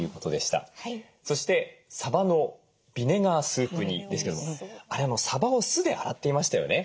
そしてさばのビネガースープ煮ですけどもあれさばを酢で洗っていましたよね。